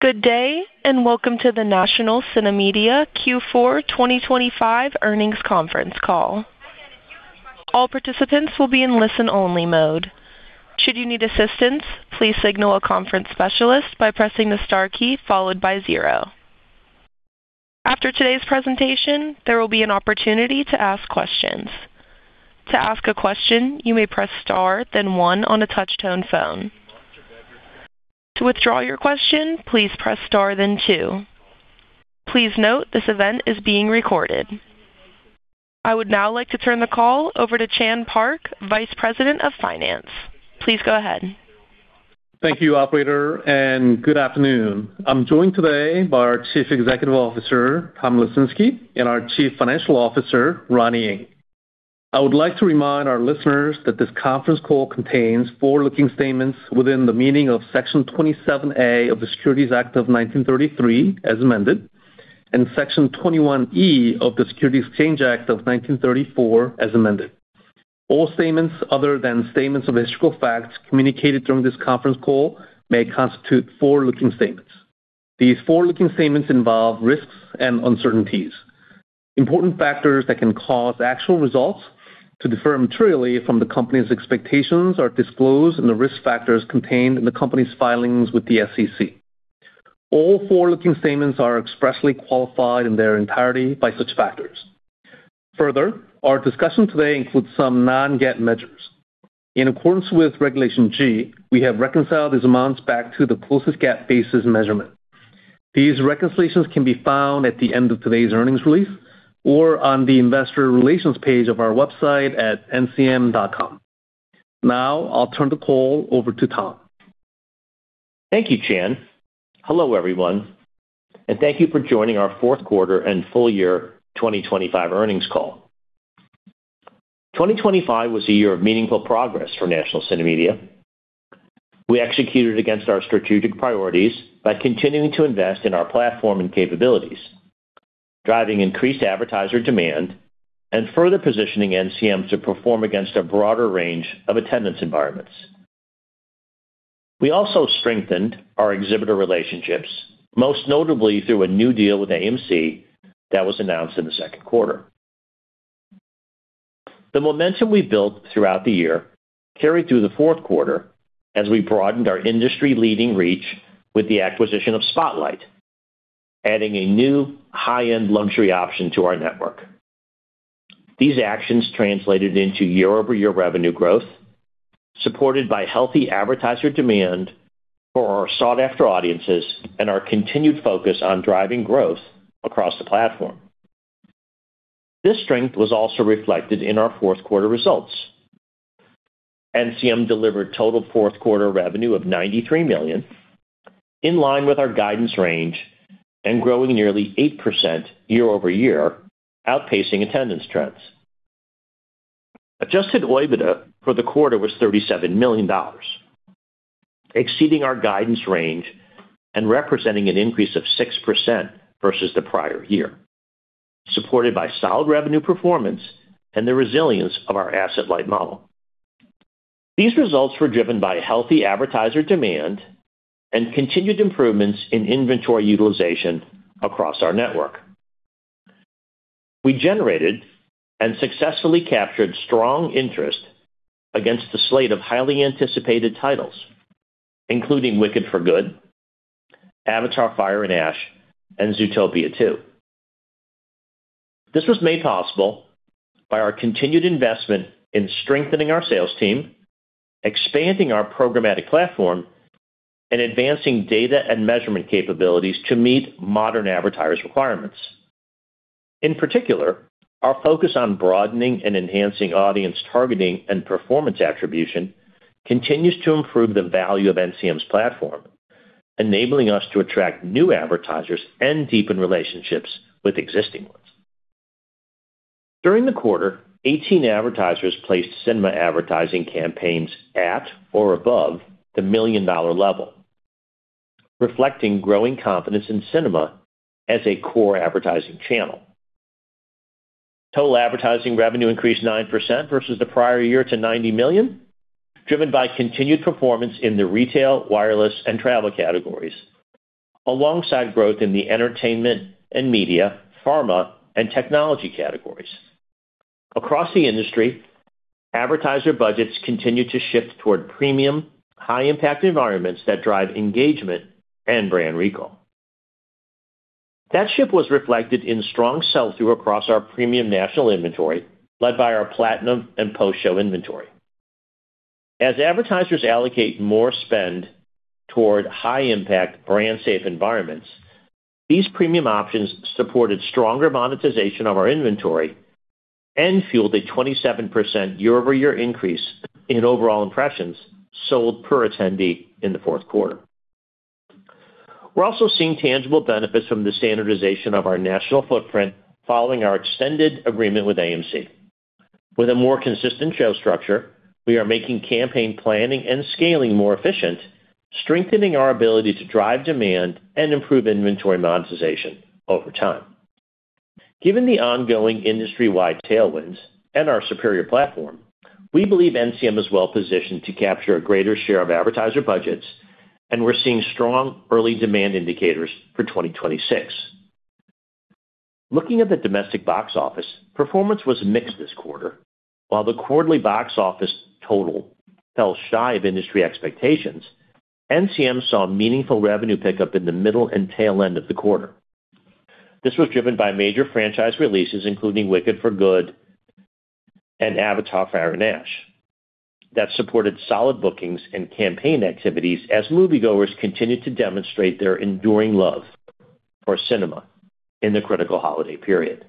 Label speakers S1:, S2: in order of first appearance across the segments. S1: Good day. Welcome to the National CineMedia Q4 2025 earnings conference call. All participants will be in listen-only mode. Should you need assistance, please signal a conference specialist by pressing the star key followed by zero. After today's presentation, there will be an opportunity to ask questions. To ask a question, you may press star then one on a touch-tone phone. To withdraw your question, please press star then two. Please note this event is being recorded. I would now like to turn the call over to Chan Park, Vice President of Finance. Please go ahead.
S2: Thank you, operator. Good afternoon. I'm joined today by our Chief Executive Officer, Tom Lesinski, and our Chief Financial Officer, Ronnie Ng. I would like to remind our listeners that this conference call contains forward-looking statements within the meaning of Section 27A of the Securities Act of 1933, as amended, and Section 21E of the Securities Exchange Act of 1934, as amended. All statements other than statements of historical facts communicated during this conference call may constitute forward-looking statements. These forward-looking statements involve risks, and uncertainties. Important factors that can cause actual results to differ materially from the company's expectations are disclosed in the risk factors contained in the company's filings with the SEC. All forward-looking statements are expressly qualified in their entirety by such factors. Further, our discussion today includes some non-GAAP measures. In accordance with Regulation G, we have reconciled these amounts back to the closest GAAP basis measurement. These reconciliations can be found at the end of today's earnings release or on the investor relations page of our website at ncm.com. Now I'll turn the call over to Tom.
S3: Thank you, Chan. Hello, everyone, and thank you for joining our 4th quarter and full year 2025 earnings call. 2025 was a year of meaningful progress for National CineMedia. We executed against our strategic priorities by continuing to invest in our platform and capabilities, driving increased advertiser demand and further positioning NCM to perform against a broader range of attendance environments. We also strengthened our exhibitor relationships, most notably through a new deal with AMC that was announced in the second quarter. The momentum we built throughout the year carried through the fourth quarter as we broadened our industry-leading reach with the acquisition of Spotlight, adding a new high-end luxury option to our network. These actions translated into year-over-year revenue growth, supported by healthy advertiser demand for our sought-after audiences and our continued focus on driving growth across the platform. This strength was also reflected in our fourth quarter results. NCM delivered total fourth quarter revenue of $93 million, in line with our guidance range and growing nearly 8% year-over-year, outpacing attendance trends. Adjusted OIBDA for the quarter was $37 million, exceeding our guidance range and representing an increase of 6% versus the prior year, supported by solid revenue performance and the resilience of our asset-light model. These results were driven by healthy advertiser demand and continued improvements in inventory utilization across our network. We generated and successfully captured strong interest against the slate of highly anticipated titles, including Wicked: For Good, Avatar: Fire and Ash, and Zootopia 2. This was made possible by our continued investment in strengthening our sales team, expanding our programmatic platform, and advancing data and measurement capabilities to meet modern advertisers' requirements. In particular, our focus on broadening, and enhancing audience targeting, and performance attribution continues to improve the value of NCM's platform, enabling us to attract new advertisers, and deepen relationships with existing ones. During the quarter, 18 advertisers placed cinema advertising campaigns at or above the million-dollar level, reflecting growing confidence in cinema as a core advertising channel. Total advertising revenue increased 9% versus the prior year to $90 million, driven by continued performance in the retail, wireless, and travel categories alongside growth in the entertainment and media, pharma, and technology categories. Across the industry, advertiser budgets continued to shift toward premium, high-impact environments that drive engagement and brand recall. That shift was reflected in strong sell-through across our premium national inventory led by our Platinum and Post-Show inventory. As advertisers allocate more spend toward high-impact brand safe environments, these premium options supported stronger monetization of our inventory and fueled a 27% year-over-year increase in overall impressions sold per attendee in the fourth quarter. We're also seeing tangible benefits from the standardization of our national footprint following our extended agreement with AMC. With a more consistent show structure, we are making campaign planning and scaling more efficient, strengthening our ability to drive demand, and improve inventory monetization over time. Given the ongoing industry-wide tailwinds and our superior platform, we believe NCM is well-positioned to capture a greater share of advertiser budgets, and we're seeing strong early demand indicators for 2026. Looking at the domestic box office, performance was mixed this quarter. While the quarterly box office total fell shy of industry expectations, NCM saw meaningful revenue pickup in the middle, and tail end of the quarter. This was driven by major franchise releases, including Wicked: For Good, and Avatar: The Way of Water, that supported solid bookings and campaign activities as moviegoers continued to demonstrate their enduring love for cinema in the critical holiday period.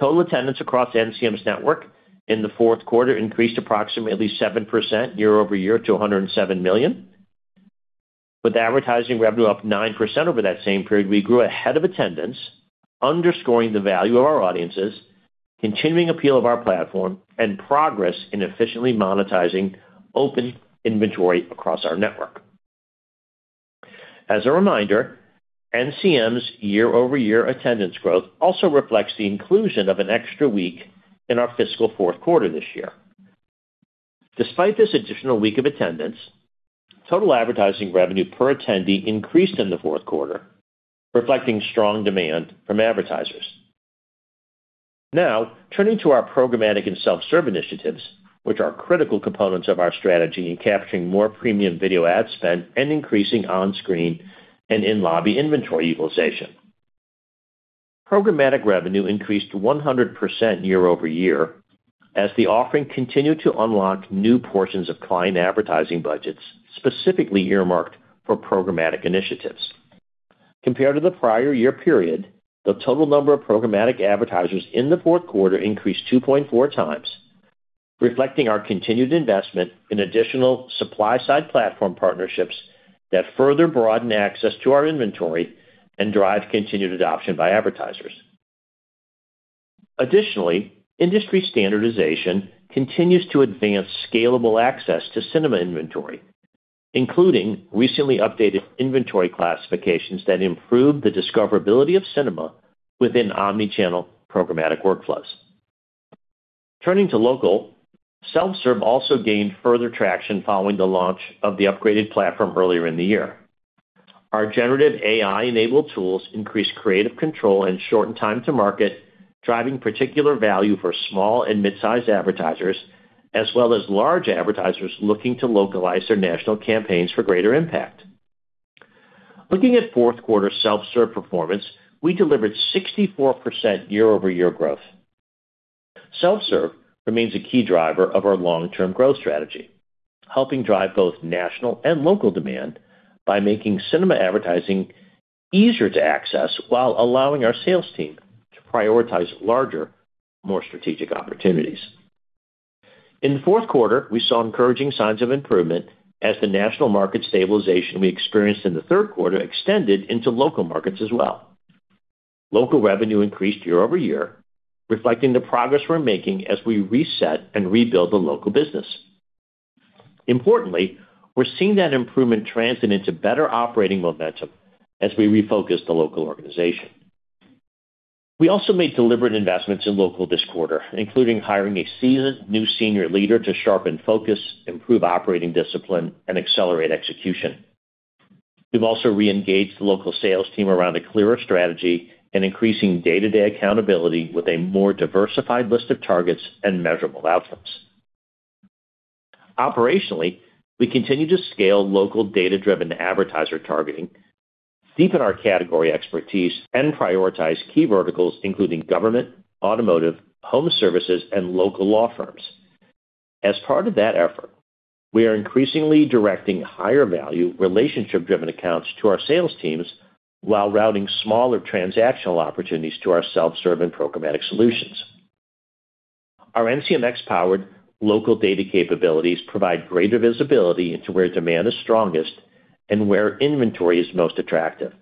S3: Total attendance across NCM's network in the fourth quarter increased approximately 7% year-over-year to 107 million. With advertising revenue up 9% over that same period, we grew ahead of attendance, underscoring the value of our audiences, continuing appeal of our platform, and progress in efficiently monetizing open inventory across our network. As a reminder, NCM's year-over-year attendance growth also reflects the inclusion of an extra week in our fiscal fourth quarter this year. Despite this additional week of attendance, total advertising revenue per attendee increased in the fourth quarter, reflecting strong demand from advertisers. Turning to our programmatic and self-serve initiatives, which are critical components of our strategy in capturing more premium video ad spend and increasing on-screen and in-lobby inventory utilization. Programmatic revenue increased 100% year-over-year as the offering continued to unlock new portions of client advertising budgets, specifically earmarked for programmatic initiatives. Compared to the prior year period, the total number of programmatic advertisers in the fourth quarter increased 2.4 times, reflecting our continued investment in additional supply-side platform partnerships that further broaden access to our inventory and drive continued adoption by advertisers. Industry standardization continues to advance scalable access to cinema inventory, including recently updated inventory classifications that improve the discoverability of cinema within omni-channel programmatic workflows. Turning to local, self-serve also gained further traction following the launch of the upgraded platform earlier in the year. Our generative AI-enabled tools increase creative control, and shorten time to market, driving particular value for small and mid-sized advertisers, as well as large advertisers looking to localize their national campaigns for greater impact. Looking at fourth quarter self-serve performance, we delivered 64% year-over-year growth. Self-serve remains a key driver of our long-term growth strategy, helping drive both national and local demand by making cinema advertising easier to access while allowing our sales team to prioritize larger, more strategic opportunities. In the fourth quarter, we saw encouraging signs of improvement as the national market stabilization we experienced in the third quarter extended into local markets as well. Local revenue increased year-over-year, reflecting the progress we're making as we reset and rebuild the local business. Importantly, we're seeing that improvement translate into better operating momentum as we refocus the local organization. We also made deliberate investments in local this quarter, including hiring a seasoned new senior leader to sharpen focus, improve operating discipline, and accelerate execution. We've also re-engaged the local sales team around a clearer strategy and increasing day-to-day accountability with a more diversified list of targets and measurable outcomes. Operationally, we continue to scale local data-driven advertiser targeting, deepen our category expertise, and prioritize key verticals including government, automotive, home services, and local law firms. As part of that effort, we are increasingly directing higher-value, relationship-driven accounts to our sales teams while routing smaller transactional opportunities to our self-serve, and programmatic solutions. Our NCMx-powered local data capabilities provide greater visibility into where demand is strongest and where inventory is most attractive,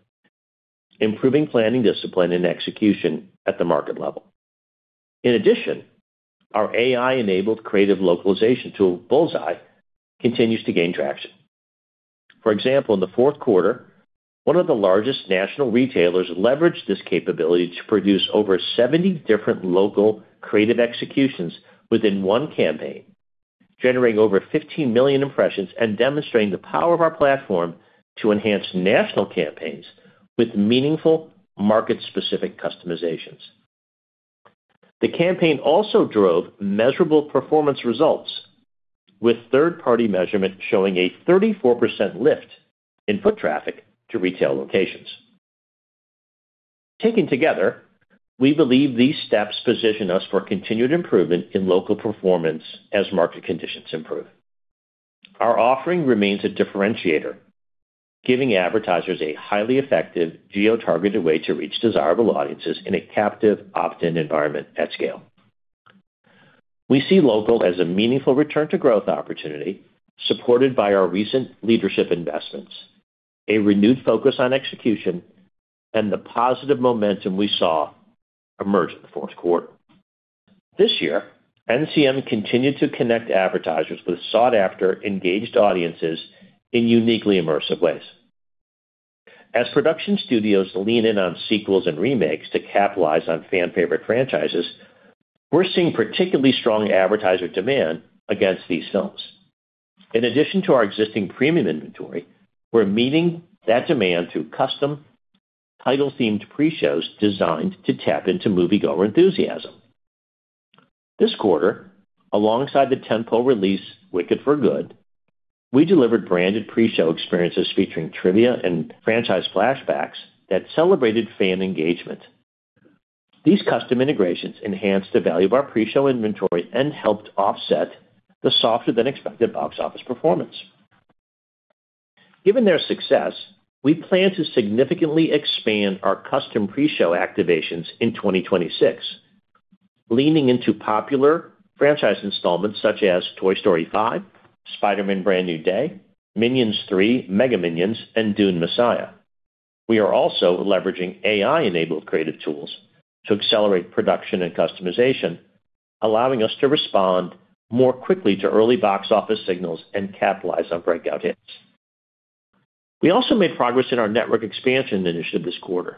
S3: improving planning discipline and execution at the market level. In addition, our AI-enabled creative localization tool, Bullseye, continues to gain traction. For example, in the fourth quarter, one of the largest national retailers leveraged this capability to produce over 70 different local creative executions within one campaign, generating over 15 million impressions and demonstrating the power of our platform to enhance national campaigns with meaningful market-specific customizations. The campaign also drove measurable performance results, with third-party measurement showing a 34% lift in foot traffic to retail locations. Taken together, we believe these steps position us for continued improvement in local performance as market conditions improve. Our offering remains a differentiator, giving advertisers a highly effective geo-targeted way to reach desirable audiences in a captive opt-in environment at scale. We see local as a meaningful return to growth opportunity supported by our recent leadership investments, a renewed focus on execution, and the positive momentum we saw emerge in the fourth quarter. This year, NCM continued to connect advertisers with sought-after engaged audiences in uniquely immersive ways. As production studios lean in on sequels and remakes to capitalize on fan favorite franchises, we're seeing particularly strong advertiser demand against these films. In addition to our existing premium inventory, we're meeting that demand through custom title-themed pre-shows designed to tap into moviegoer enthusiasm. This quarter, alongside the tentpole release Wicked: For Good, we delivered branded pre-show experiences featuring trivia and franchise flashbacks that celebrated fan engagement. These custom integrations enhanced the value of our pre-show inventory and helped offset the softer than expected box office performance. Given their success, we plan to significantly expand our custom pre-show activations in 2026, leaning into popular franchise installments such as Toy Story 5, Spider-Man: Brand New Day, Minions & Monsters, and Dune: Part Three. We are also leveraging AI-enabled creative tools to accelerate production and customization, allowing us to respond more quickly to early box office signals and capitalize on breakout hits. We also made progress in our network expansion initiative this quarter.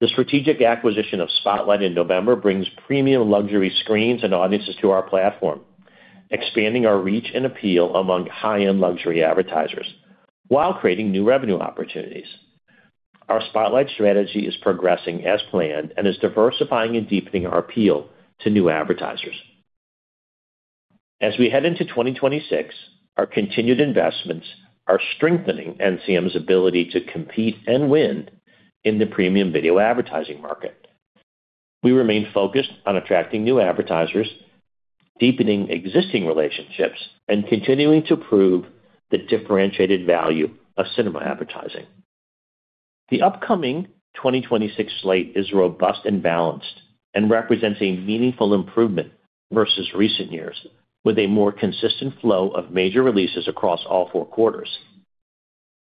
S3: The strategic acquisition of Spotlight in November brings premium luxury screens and audiences to our platform, expanding our reach and appeal among high-end luxury advertisers while creating new revenue opportunities. Our Spotlight strategy is progressing as planned and is diversifying and deepening our appeal to new advertisers. As we head into 2026, our continued investments are strengthening NCM's ability to compete and win in the premium video advertising market. We remain focused on attracting new advertisers, deepening existing relationships, and continuing to prove the differentiated value of cinema advertising. The upcoming 2026 slate is robust and balanced and represents a meaningful improvement versus recent years, with a more consistent flow of major releases across all four quarters.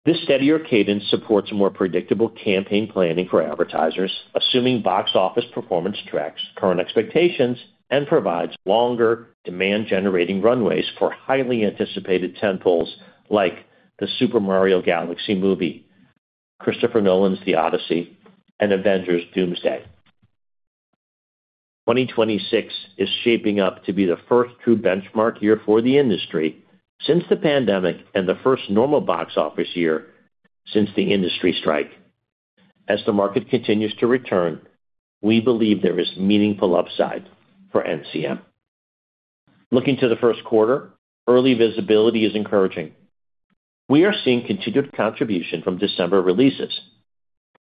S3: This steadier cadence supports more predictable campaign planning for advertisers, assuming box office performance tracks current expectations, and provides longer demand-generating runways for highly anticipated tentpoles like The Super Mario Galaxy Movie, Christopher Nolan's The Odyssey, and Avengers: Doomsday. 2026 is shaping up to be the first true benchmark year for the industry since the pandemic and the first normal box office year since the industry strike. As the market continues to return, we believe there is meaningful upside for NCM. Looking to the first quarter, early visibility is encouraging. We are seeing continued contribution from December releases,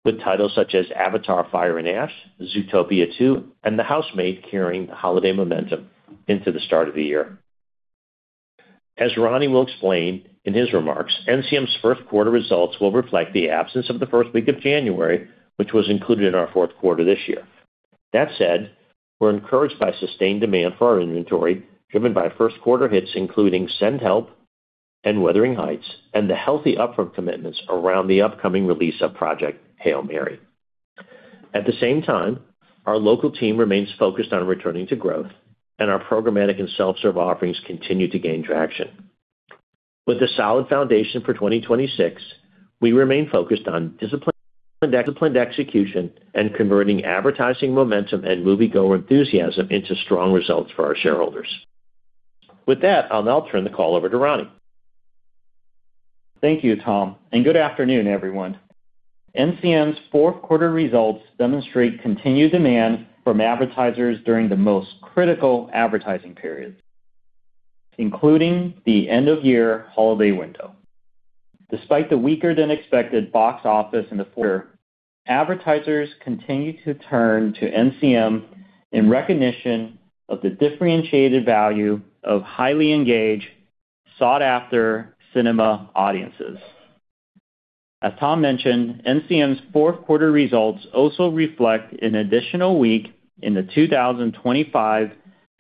S3: with titles such as Avatar: Fire and Ash, Zootopia 2, and The Housemaid carrying holiday momentum into the start of the year. As Ronnie will explain in his remarks, NCM's 1st quarter results will reflect the absence of the 1st week of January, which was included in our 4th quarter this year. That said, we're encouraged by sustained demand for our inventory, driven by 1st quarter hits including Send Help and Wuthering Heights, and the healthy upfront commitments around the upcoming release of Project Hail Mary. At the same time, our local team remains focused on returning to growth, and our programmatic and self-serve offerings continue to gain traction. With a solid foundation for 2026, we remain focused on disciplined execution and converting advertising momentum, and moviegoer enthusiasm into strong results for our shareholders. With that, I'll now turn the call over to Ronnie.
S4: Thank you, Tom, and good afternoon, everyone. NCM's fourth quarter results demonstrate continued demand from advertisers during the most critical advertising periods, including the end-of-year holiday window. Despite the weaker than expected box office in the fourth quarter, advertisers continued to turn to NCM in recognition of the differentiated value of highly engaged, sought-after cinema audiences. As Tom mentioned, NCM's fourth quarter results also reflect an additional week in the 2025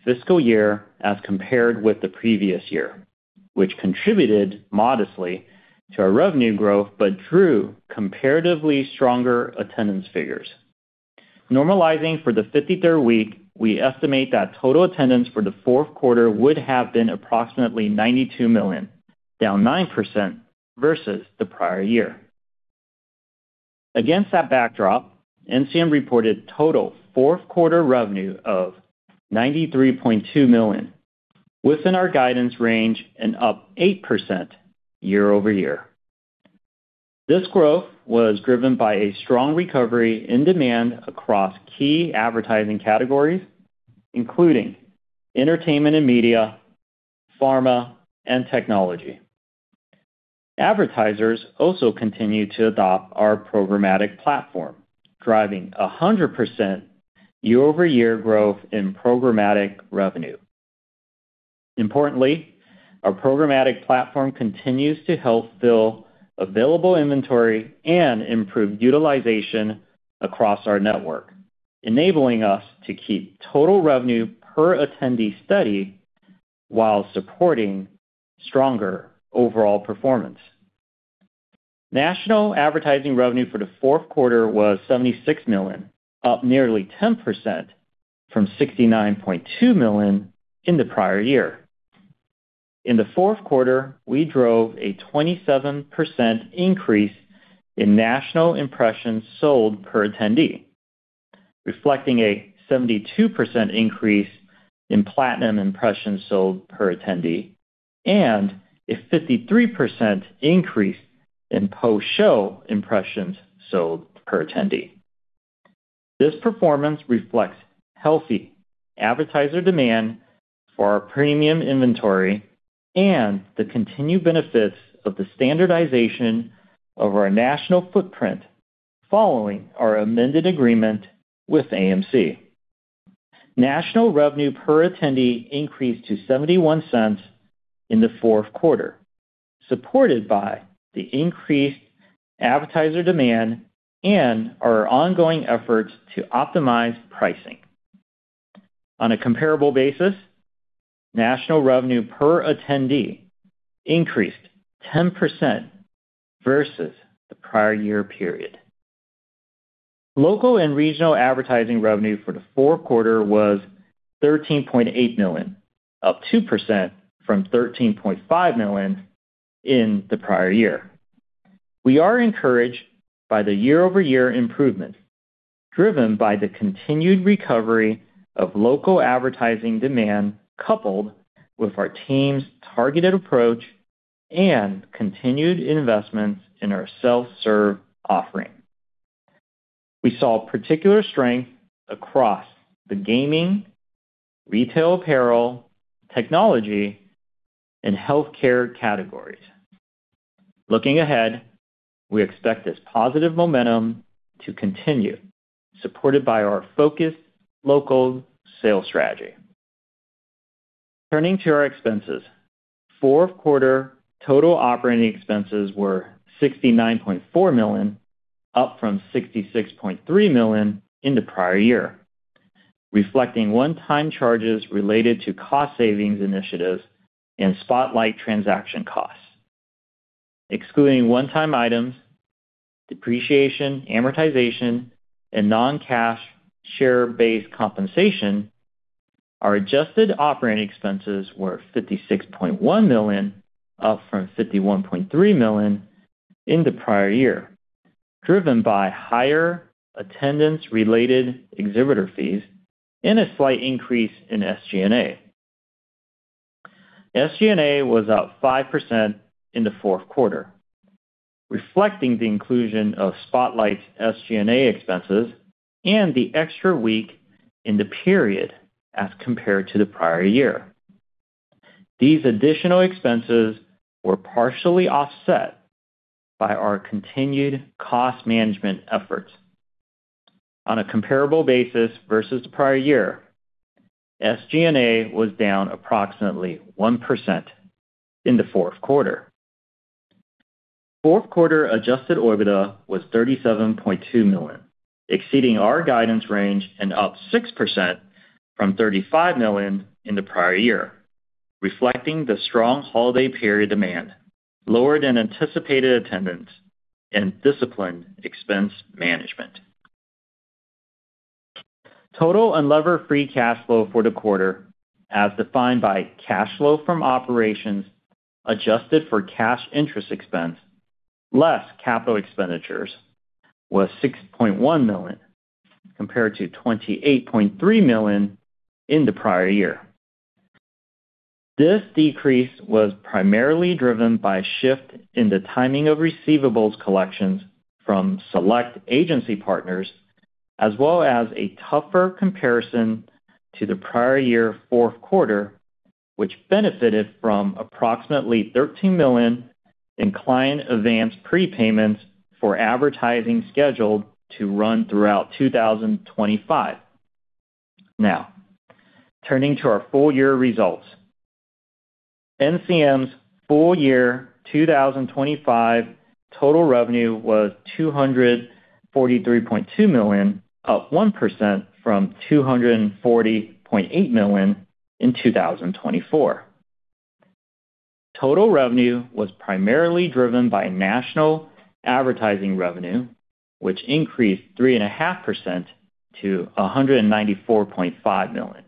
S4: fiscal year as compared with the previous year, which contributed modestly to our revenue growth but drew comparatively stronger attendance figures. Normalizing for the 53rd week, we estimate that total attendance for the fourth quarter would have been approximately 92 million, down 9% versus the prior year. Against that backdrop, NCM reported total fourth quarter revenue of $93.2 million within our guidance range and up 8% year-over-year. This growth was driven by a strong recovery in demand across key advertising categories, including entertainment and media, pharma, and technology. Advertisers also continued to adopt our programmatic platform, driving 100% year-over-year growth in programmatic revenue. Importantly, our programmatic platform continues to help fill available inventory and improve utilization across our network, enabling us to keep total revenue per attendee steady while supporting stronger overall performance. National advertising revenue for the fourth quarter was $76 million, up nearly 10% from $69.2 million in the prior year. In the fourth quarter, we drove a 27% increase in national impressions sold per attendee, reflecting a 72% increase in Platinum impressions sold per attendee and a 53% increase in Post-Show impressions sold per attendee. This performance reflects healthy advertiser demand for our premium inventory and the continued benefits of the standardization of our national footprint following our amended agreement with AMC. National revenue per attendee increased to $0.71 in the fourth quarter, supported by the increased advertiser demand and our ongoing efforts to optimize pricing. On a comparable basis, national revenue per attendee increased 10% versus the prior year period. Local and regional advertising revenue for the fourth quarter was $13.8 million, up 2% from $13.5 million in the prior year. We are encouraged by the year-over-year improvement driven by the continued recovery of local advertising demand, coupled with our team's targeted approach and continued investments in our self-serve offering. We saw particular strength across the gaming, retail apparel, technology, and healthcare categories. Looking ahead, we expect this positive momentum to continue, supported by our focused local sales strategy. Turning to our expenses. Fourth quarter total operating expenses were $69.4 million, up from $66.3 million in the prior year, reflecting one-time charges related to cost savings initiatives and Spotlight transaction costs. Excluding one-time items, depreciation, amortization, and non-cash share-based compensation, our adjusted operating expenses were $56.1 million, up from $51.3 million in the prior year, driven by higher attendance-related exhibitor fees and a slight increase in SG&A. SG&A was up 5% in the fourth quarter, reflecting the inclusion of Spotlight's SG&A expenses and the extra week in the period as compared to the prior year. These additional expenses were partially offset by our continued cost management efforts. On a comparable basis versus the prior year, SG&A was down approximately 1% in the fourth quarter. Fourth quarter Adjusted OIBDA was $37.2 million, exceeding our guidance range and up 6% from $35 million in the prior year, reflecting the strong holiday period demand, lower than anticipated attendance, and disciplined expense management. Total unlevered free cash flow for the quarter, as defined by cash flow from operations adjusted for cash interest expense less capital expenditures, was $6.1 million, compared to $28.3 million in the prior year. This decrease was primarily driven by a shift in the timing of receivables collections from select agency partners, as well as a tougher comparison to the prior year fourth quarter, which benefited from approximately $13 million in client advance prepayments for advertising scheduled to run throughout 2025. Turning to our full year results. NCM's full year 2025 total revenue was $243.2 million, up 1% from $240.8 million in 2024. Total revenue was primarily driven by national advertising revenue, which increased 3.5% to $194.5 million.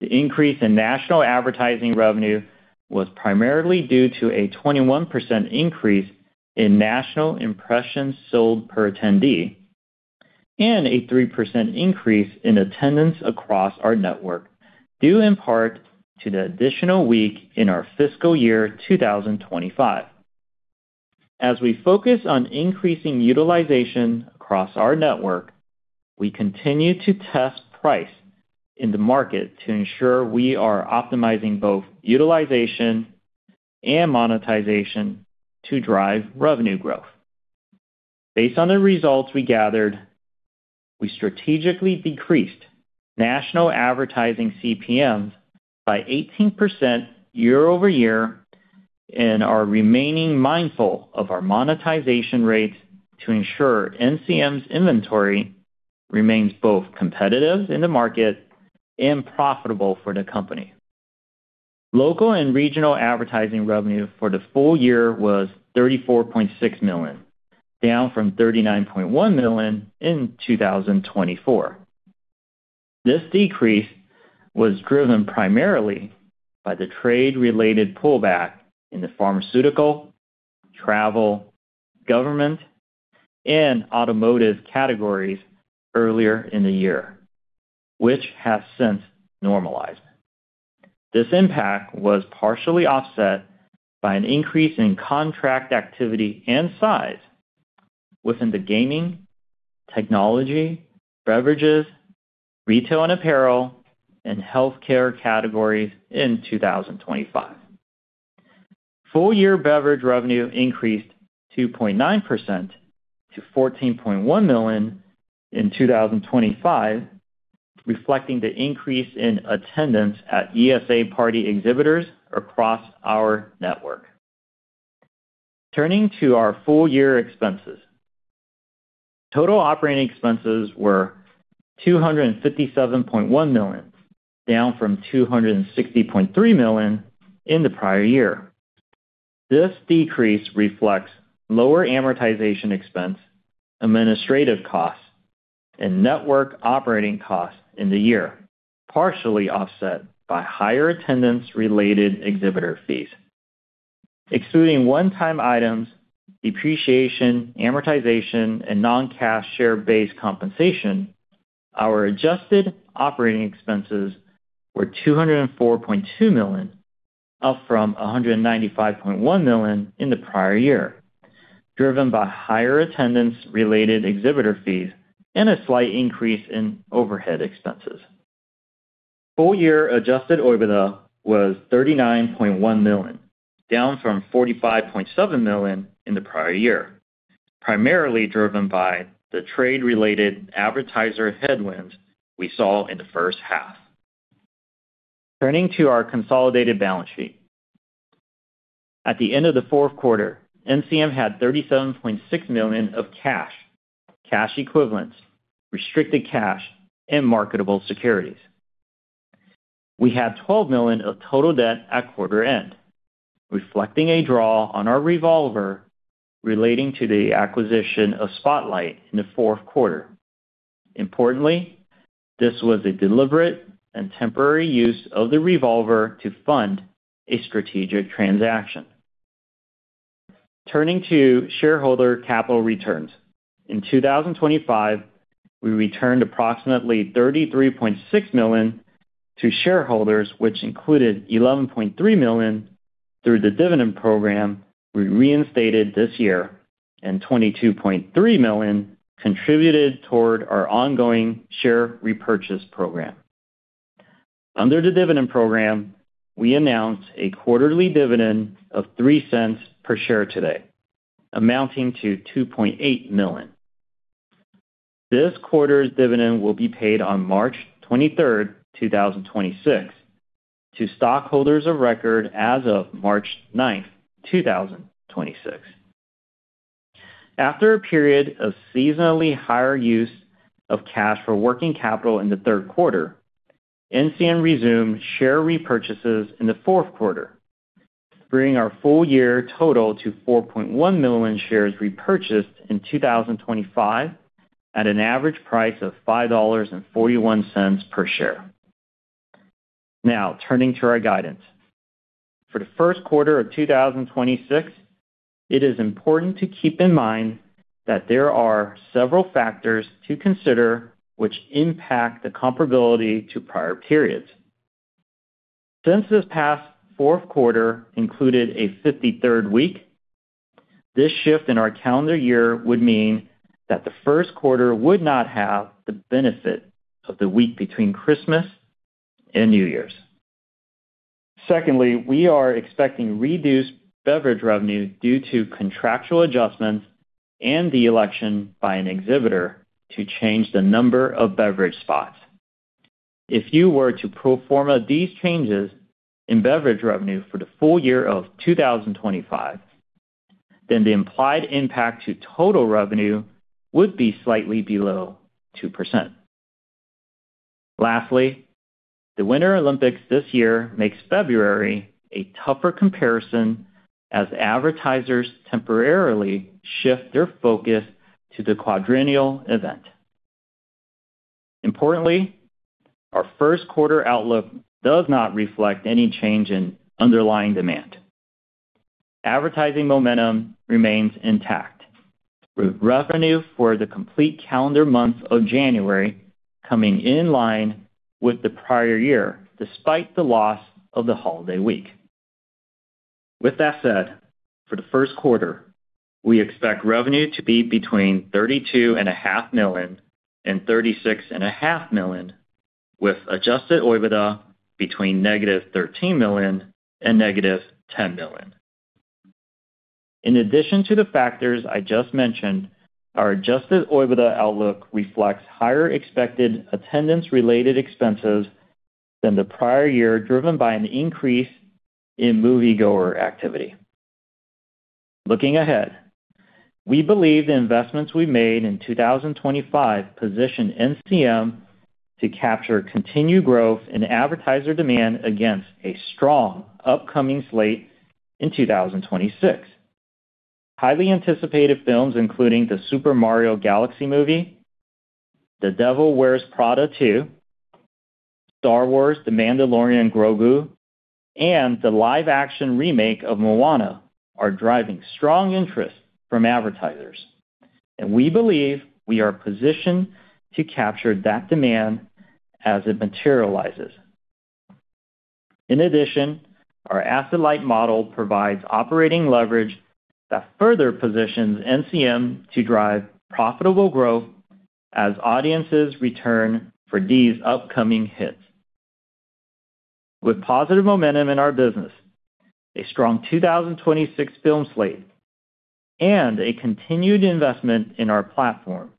S4: The increase in national advertising revenue was primarily due to a 21% increase in national impressions sold per attendee, and a 3% increase in attendance across our network, due in part to the additional week in our fiscal year 2025. We focus on increasing utilization across our network, we continue to test price in the market to ensure we are optimizing both utilization and monetization to drive revenue growth. Based on the results we gathered, we strategically decreased national advertising CPMs by 18% year-over-year and are remaining mindful of our monetization rates to ensure NCM's inventory remains both competitive in the market and profitable for the company. Local and regional advertising revenue for the full year was $34.6 million, down from $39.1 million in 2024. This decrease was driven primarily by the trade-related pullback in the pharmaceutical, travel, government, and automotive categories earlier in the year, which has since normalized. This impact was partially offset by an increase in contract activity and size within the gaming, technology, beverages, retail and apparel, and healthcare categories in 2025. Full-year beverage revenue increased 2.9% to $14.1 million in 2025, reflecting the increase in attendance at ESA Party exhibitors across our network. Turning to our full year expenses. Total operating expenses were $257.1 million, down from $260.3 million in the prior year. This decrease reflects lower amortization expense, administrative costs, and network operating costs in the year, partially offset by higher attendance-related exhibitor fees. Excluding one-time items, depreciation, amortization, and non-cash share-based compensation, our adjusted operating expenses were $204.2 million, up from $195.1 million in the prior year, driven by higher attendance-related exhibitor fees and a slight increase in overhead expenses. Full-year Adjusted OIBDA was $39.1 million, down from $45.7 million in the prior year, primarily driven by the trade-related advertiser headwinds we saw in the first half. Turning to our consolidated balance sheet. At the end of the fourth quarter, NCM had $37.6 million of cash equivalents, restricted cash, and marketable securities. We had $12 million of total debt at quarter end, reflecting a draw on our revolver relating to the acquisition of Spotlight in the fourth quarter. Importantly, this was a deliberate and temporary use of the revolver to fund a strategic transaction. Turning to shareholder capital returns. In 2025, we returned approximately $33.6 million to shareholders, which included $11.3 million through the dividend program we reinstated this year and $22.3 million contributed toward our ongoing share repurchase program. Under the dividend program, we announce a quarterly dividend of $0.03 per share today, amounting to $2.8 million. This quarter's dividend will be paid on March 23rd, 2026, to stockholders of record as of March 9th, 2026. After a period of seasonally higher use of cash for working capital in the third quarter, NCM resumed share repurchases in the fourth quarter, bringing our full-year total to 4.1 million shares repurchased in 2025 at an average price of $5.41 per share. Turning to our guidance. For the first quarter of 2026, it is important to keep in mind that there are several factors to consider which impact the comparability to prior periods. Since this past fourth quarter included a 53rd week, this shift in our calendar year would mean that the first quarter would not have the benefit of the week between Christmas and New Year's. Secondly, we are expecting reduced beverage revenue due to contractual adjustments and the election by an exhibitor to change the number of beverage spots. If you were to pro forma these changes in beverage revenue for the full year of 2025, the implied impact to total revenue would be slightly below 2%. Lastly, the Winter Olympics this year makes February a tougher comparison as advertisers temporarily shift their focus to the quadrennial event. Importantly, our first quarter outlook does not reflect any change in underlying demand. Advertising momentum remains intact, with revenue for the complete calendar month of January coming in line with the prior year despite the loss of the holiday week. With that said, for the first quarter, we expect revenue to be between $32.5 million and $36.5 million, with Adjusted OIBDA between -$13 million and -$10 million. In addition to the factors I just mentioned, our Adjusted OIBDA outlook reflects higher expected attendance-related expenses than the prior year, driven by an increase in moviegoer activity. Looking ahead, we believe the investments we made in 2025 position NCM to capture continued growth in advertiser demand against a strong upcoming slate in 2026. Highly anticipated films including The Super Mario Galaxy Movie, The Devil Wears Prada 2, Star Wars The Mandalorian & Grogu, and the live action remake of Moana are driving strong interest from advertisers, and we believe we are positioned to capture that demand as it materializes. In addition, our asset-light model provides operating leverage that further positions NCM to drive profitable growth as audiences return for these upcoming hits. With positive momentum in our business, a strong 2026 film slate, and a continued investment in our platform,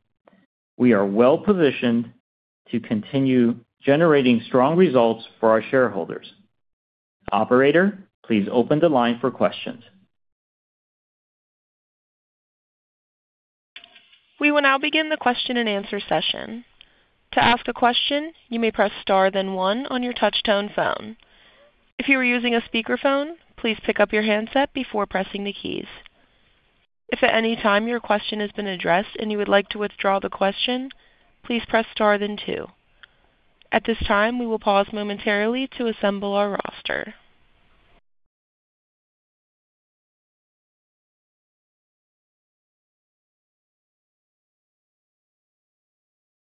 S4: we are well-positioned to continue generating strong results for our shareholders. Operator, please open the line for questions.
S1: We will now begin the question and answer session. To ask a question, you may press star then one on your touch tone phone. If you are using a speakerphone, please pick up your handset before pressing the keys. If at any time your question has been addressed and you would like to withdraw the question, please press star then two. At this time, we will pause momentarily to assemble our roster.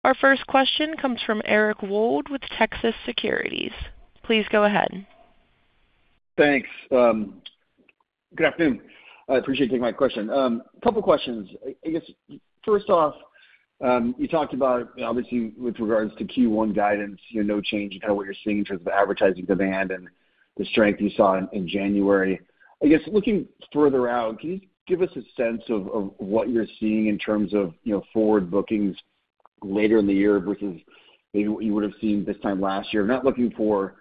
S1: Our first question comes from Eric Wold with Texas Securities. Please go ahead.
S5: Thanks, good afternoon. I appreciate you taking my question. A couple of questions. I guess first off, you talked about obviously with regards to Q1 guidance, you know, no change in kind of what you're seeing in terms of advertising demand and the strength you saw in January. I guess looking further out, can you give us a sense of what you're seeing in terms of, you know, forward bookings later in the year versus maybe what you would have seen this time last year? Not looking for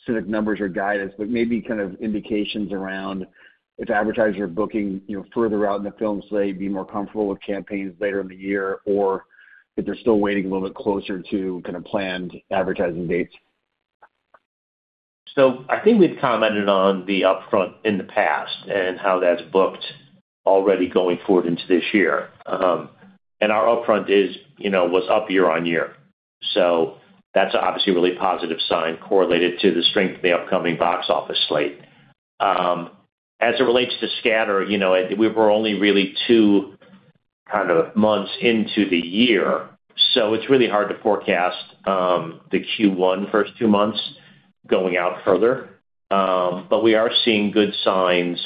S5: specific numbers or guidance, but maybe kind of indications around if advertisers are booking, you know, further out in the film slate, be more comfortable with campaigns later in the year or if they're still waiting a little bit closer to kind of planned advertising dates.
S3: I think we've commented on the upfront in the past and how that's booked already going forward into this year. Our upfront is, you know, was up year-over-year, so that's obviously a really positive sign correlated to the strength of the upcoming box office slate. As it relates to scatter, you know, we're only really two kind of months into the year, so it's really hard to forecast the Q1 first two months going out further. We are seeing good signs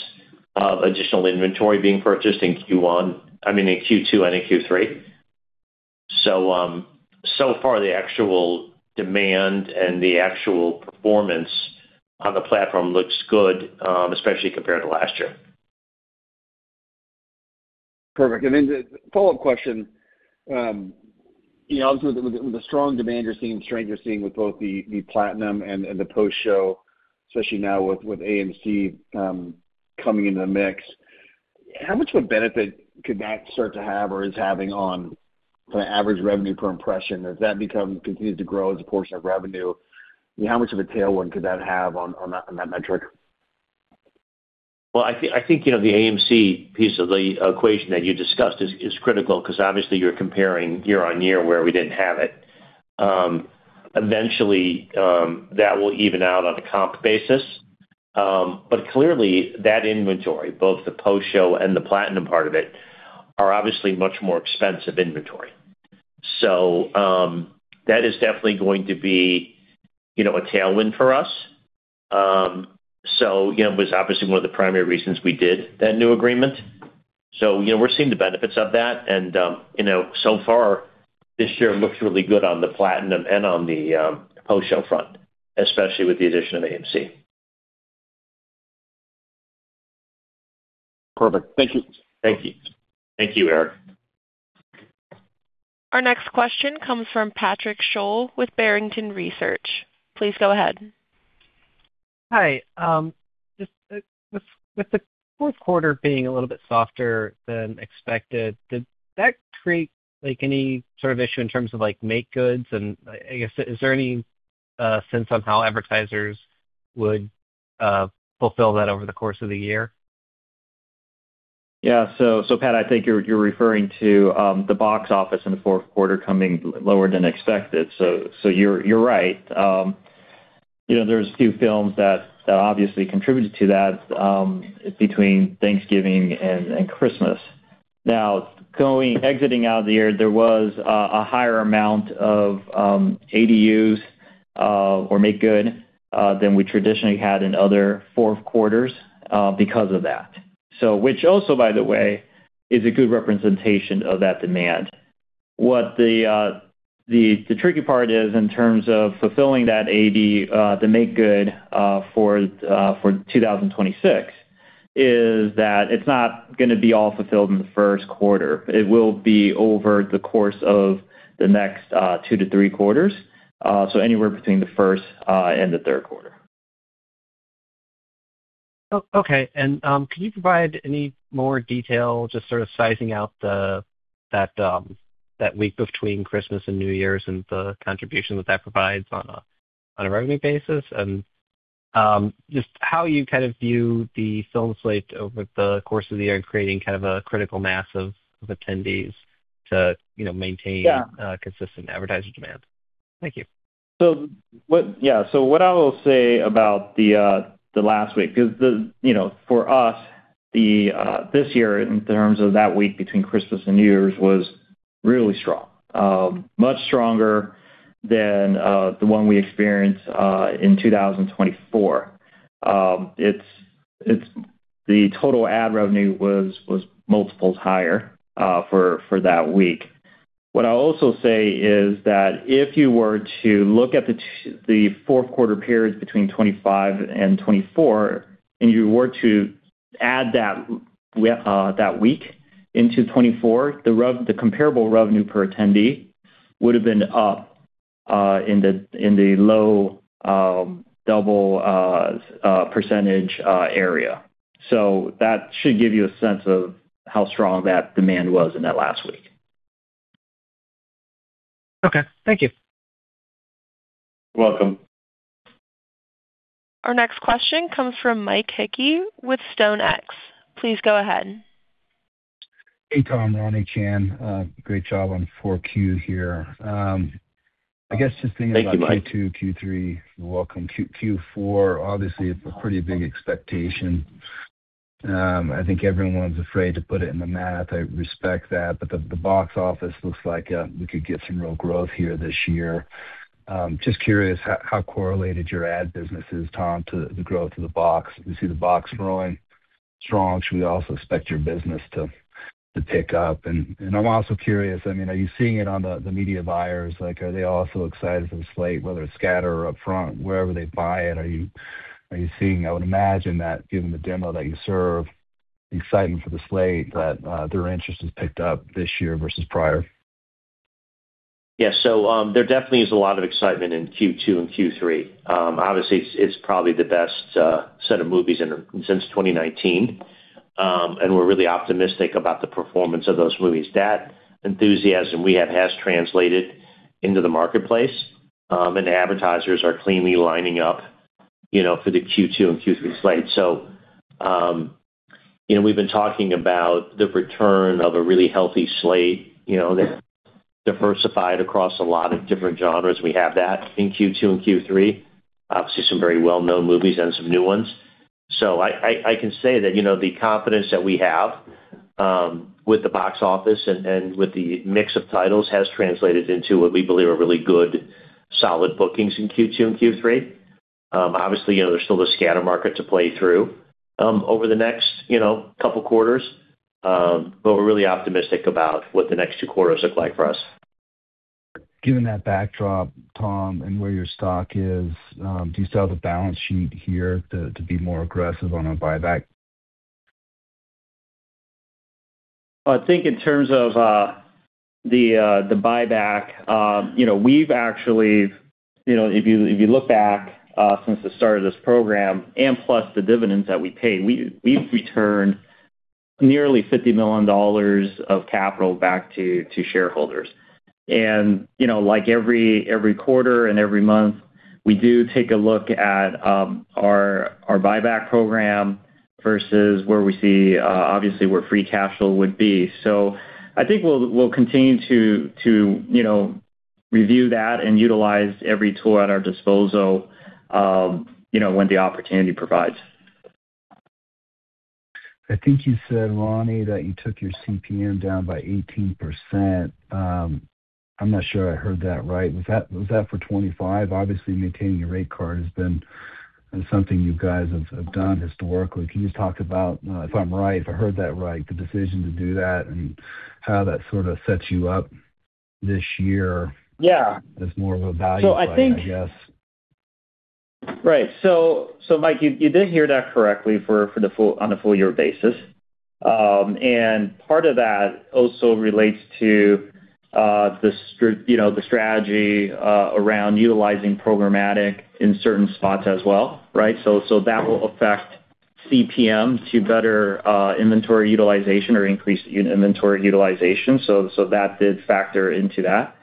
S3: of additional inventory being purchased in Q1, I mean, in Q2 and in Q3. So far, the actual demand and the actual performance on the platform looks good, especially compared to last year.
S5: Perfect. The follow-up question, you know, obviously with the, with the strong demand you're seeing, strength you're seeing with both the Platinum and the Post-Showtime, especially now with AMC coming into the mix. How much of a benefit could that start to have or is having on the average revenue per impression? Has that become continued to grow as a portion of revenue? How much of a tailwind could that have on that, on that metric?
S3: Well, I think, you know, the AMC piece of the equation that you discussed is critical 'cause obviously you're comparing year-over-year where we didn't have it. Eventually, that will even out on a comp basis. Clearly that inventory, both the Post-Showtime and the Platinum part of it, are obviously much more expensive inventory. That is definitely going to be, you know, a tailwind for us. You know, it was obviously one of the primary reasons we did that new agreement. You know, we're seeing the benefits of that and, you know, so far this year looks really good on the Platinum and on the Post-Showtime front, especially with the addition of AMC.
S5: Perfect. Thank you.
S3: Thank you. Thank you, Eric.
S1: Our next question comes from Patrick Sholl with Barrington Research. Please go ahead.
S6: Hi. just with the fourth quarter being a little bit softer than expected, did that create like any sort of issue in terms of like make-goods? I guess, is there any sense on how advertisers would fulfill that over the course of the year?
S3: Yeah. Pat, I think you're referring to the box office in the fourth quarter coming lower than expected. You're right. You know, there's a few films that obviously contributed to that between Thanksgiving, and Christmas. Now, going exiting out of the year, there was a higher amount of ADUs or make good than we traditionally had in other fourth quarters because of that. Which also, by the way, is a good representation of that demand. What the tricky part is in terms of fulfilling the make good for 2026, is that it's not gonn benall fulfilled in the first quarter. It will be over the course of the next, 2 to 3 quarters, so anywhere between the first and the third quarter.
S6: Okay. Can you provide any more detail just sort of sizing out that week between Christmas and New Year's and the contribution that that provides on a revenue basis? Just how you kind of view the film slate over the course of the year and creating kind of a critical mass of attendees to, you know, maintain?
S3: Yeah.
S6: consistent advertiser demand. Thank you.
S3: What I will say about the last week, because the, you know, for us, this year, in terms of that week between Christmas and New Year's, was really strong. Much stronger than the one we experienced in 2024. The total ad revenue was multiples higher for that week. What I'll also say is that if you were to look at the fourth quarter periods between 25 and 24, and you were to add that week into 24, the comparable revenue per attendee would have been up in the low double % area. That should give you a sense of how strong that demand was in that last week.
S6: Okay. Thank you.
S3: You're welcome.
S1: Our next question comes from Mike Hickey with StoneX. Please go ahead.
S7: Hey, Tom, Ronnie, Chan. Great job on 4Q here.
S4: Thank you, Mike.
S7: Q2, Q3. You're welcome. Q-Q4, obviously it's a pretty big expectation. I think everyone's afraid to put it in the math. I respect that, but the box office looks like we could get some real growth here this year. Just curious how correlated your ad business is, Tom, to the growth of the box. We see the box growing strong. Should we also expect your business to pick up? I'm also curious, I mean, are you seeing it on the media buyers? Like, are they also excited for the slate, whether it's scatter or upfront, wherever they buy it? Are you seeing... I would imagine that given the demo that you serve, the excitement for the slate, that their interest has picked up this year versus prior.
S3: Yeah. There definitely is a lot of excitement in Q2 and Q3. Obviously it's probably the best set of movies since 2019. We're really optimistic about the performance of those movies. That enthusiasm we have has translated into the marketplace, advertisers are cleanly lining up, you know, for the Q2 and Q3 slate. We've been talking about the return of a really healthy slate, you know, that diversified across a lot of different genres. We have that in Q2 and Q3. Obviously some very well-known movies and some new ones. I can say that, you know, the confidence that we have with the box office and with the mix of titles has translated into what we believe are really good, solid bookings in Q2 and Q3. Obviously, you know, there's still the scatter market to play through, over the next, you know, two quarters. We're really optimistic about what the next two quarters look like for us.
S7: Given that backdrop, Tom, and where your stock is, do you still have the balance sheet here to be more aggressive on a buyback?
S3: I think in terms of the buyback, you know, we've actually, you know, if you look back since the start of this program and plus the dividends that we pay, we've returned nearly $50 million of capital back to shareholders. You know, like, every quarter and every month, we do take a look at our buyback program versus where we see obviously where free cash flow would be. I think we'll continue to, you know, review that and utilize every tool at our disposal, you know, when the opportunity provides.
S7: I think you said, Ronnie, that you took your CPM down by 18%. I'm not sure I heard that right. Was that for 25? Obviously, maintaining your rate card has been something you guys have done historically. Can you just talk about, if I'm right, if I heard that right, the decision to do that and how that sort of sets you up this year...
S4: Yeah.
S7: as more of a value play, I guess.
S4: Mike, you did hear that correctly for on a full year basis. Part of that also relates to you know, the strategy around utilizing programmatic in certain spots as well, right? That will affect CPM to better inventory utilization or increase inventory utilization. That did factor into that.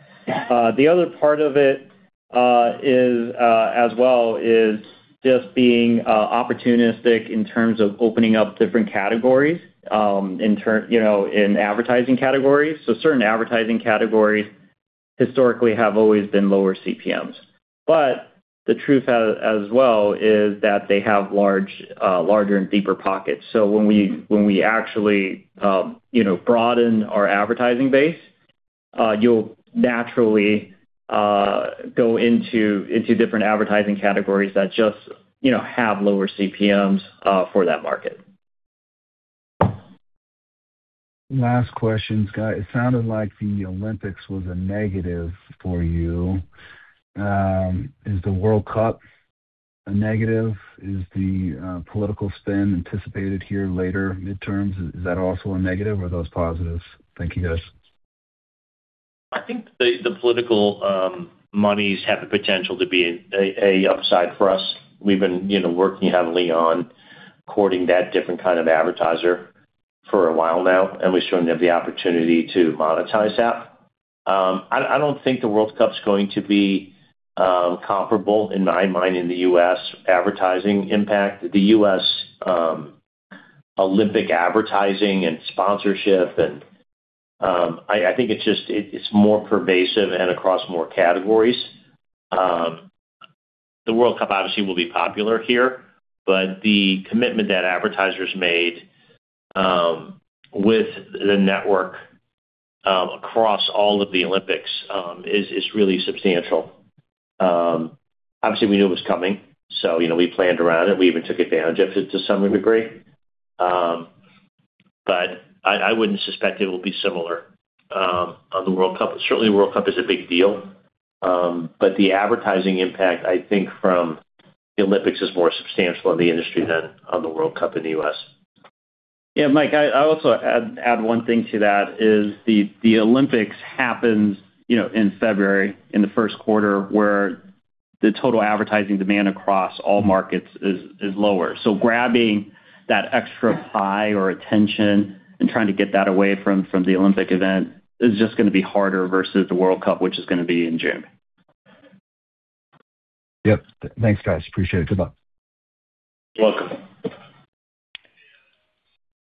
S4: The other part of it as well is just being opportunistic in terms of opening up different categories you know, in advertising categories. Certain advertising categories historically have always been lower CPMs. The truth as well is that they have large, larger and deeper pockets. When we actually, you know, broaden our advertising base, you'll naturally, go into different advertising categories that just, you know, have lower CPMs, for that market.
S7: Last question, Scott. It sounded like the Olympics was a negative for you. Is the World Cup a negative? Is the political spend anticipated here later midterms, is that also a negative or are those positives? Thank you, guys.
S3: I think the political monies have the potential to be a upside for us. We've been, you know, working heavily on courting that different kind of advertiser for a while now, and we certainly have the opportunity to monetize that. I don't think the World Cup's going to be comparable in my mind in the U.S. advertising impact. The U.S. Olympic advertising and sponsorship and, I think it's more pervasive and across more categories. The World Cup obviously will be popular here, but the commitment that advertisers made with the network across all of the Olympics is really substantial. Obviously, we knew it was coming, so, you know, we planned around it. We even took advantage of it to some degree. I wouldn't suspect it will be similar, on the World Cup. Certainly, World Cup is a big deal, but the advertising impact, I think from the Olympics is more substantial in the industry than on the World Cup in the U.S.
S4: Yeah. Mike, I also add one thing to that is the Olympics happens, you know, in February, in the first quarter where the total advertising demand across all markets is lower. Grabbing that extra pie or attention and trying to get that away from the Olympic event is just gonna be harder versus the World Cup, which is gonna be in June.
S7: Yep. Thanks, guys. Appreciate it. Good luck.
S3: You're welcome.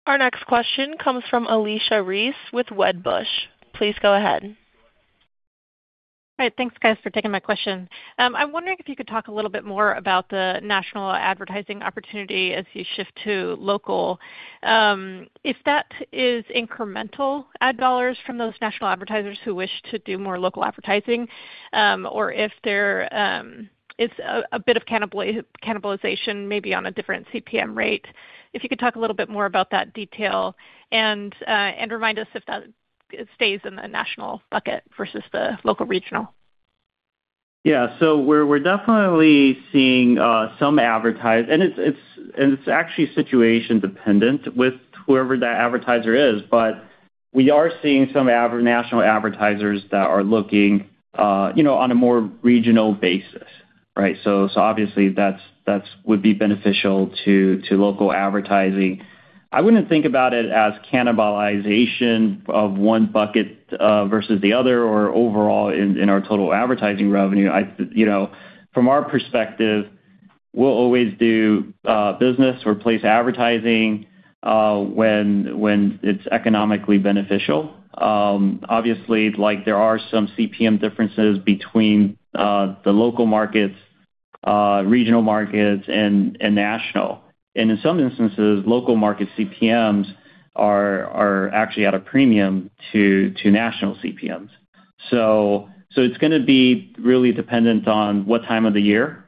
S1: Our next question comes from Alicia Reese with Wedbush. Please go ahead.
S8: All right. Thanks, guys, for taking my question. I'm wondering if you could talk a little bit more about the national advertising opportunity as you shift to local, if that is incremental ad dollars from those national advertisers who wish to do more local advertising, or if they're, it's a bit of cannibalization, maybe on a different CPM rate. If you could talk a little bit more about that detail and remind us if that stays in the national bucket versus the local regional.
S4: we're definitely seeing some advertise. It's actually situation dependent with whoever that advertiser is. We are seeing some national advertisers that are looking, you know, on a more regional basis, right? Obviously that's would be beneficial to local advertising. I wouldn't think about it as cannibalization of one bucket versus the other or overall in our total advertising revenue. I, you know, from our perspective, we'll always do business or place advertising when it's economically beneficial. Obviously, like, there are some CPM differences between the local markets, regional markets and national. In some instances, local market CPMs are actually at a premium to national CPMs. It's gonna be really dependent on what time of the year,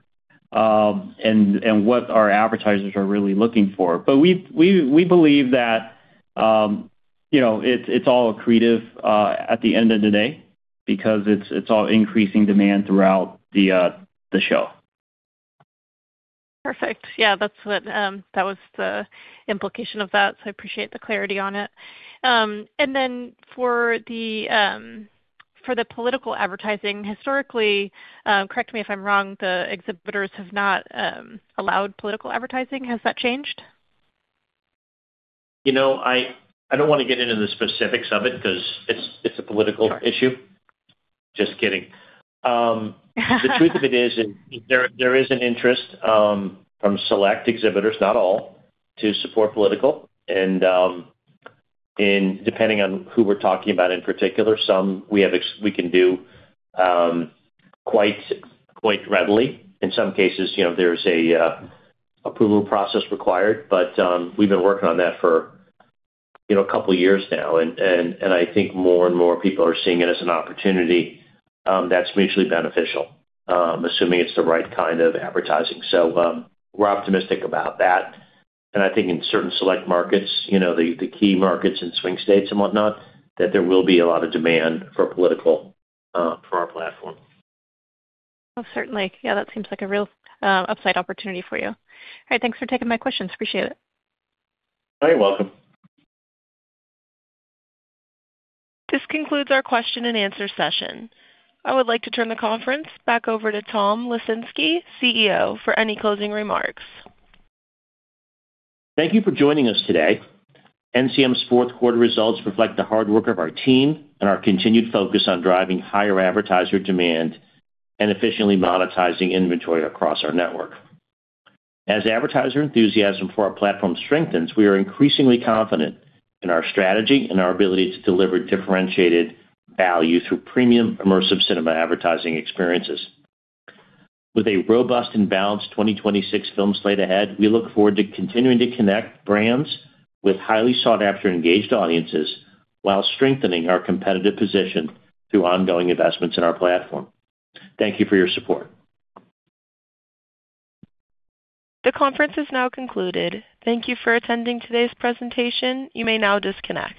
S4: and what our advertisers are really looking for. We believe that, you know, it's all accretive, at the end of the day because it's all increasing demand throughout the show.
S8: Perfect. Yeah. That's what, that was the implication of that, so I appreciate the clarity on it. For the, for the political advertising, historically, correct me if I'm wrong, the exhibitors have not, allowed political advertising. Has that changed?
S3: You know, I don't wanna get into the specifics of it 'cause it's a political issue. Just kidding. The truth of it is there is an interest from select exhibitors, not all, to support political. Depending on who we're talking about in particular, some we can do quite readily. In some cases, you know, there's an approval process required, but we've been working on that for, you know, a couple years now. I think more and more people are seeing it as an opportunity that's mutually beneficial, assuming it's the right kind of advertising. We're optimistic about that. I think in certain select markets, you know, the key markets in swing states and whatnot, that there will be a lot of demand for political for our platform.
S8: Most certainly. Yeah, that seems like a real upside opportunity for you. All right. Thanks for taking my questions. Appreciate it.
S3: You're welcome.
S1: This concludes our question and answer session. I would like to turn the conference back over to Tom Lesinski, CEO, for any closing remarks.
S3: Thank you for joining us today. NCM's fourth quarter results reflect the hard work of our team and our continued focus on driving higher advertiser demand and efficiently monetizing inventory across our network. As advertiser enthusiasm for our platform strengthens, we are increasingly confident in our strategy and our ability to deliver differentiated value through premium immersive cinema advertising experiences. With a robust and balanced 2026 film slate ahead, we look forward to continuing to connect brands with highly sought after engaged audiences while strengthening our competitive position through ongoing investments in our platform. Thank you for your support.
S1: The conference is now concluded. Thank you for attending today's presentation. You may now disconnect.